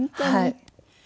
はい。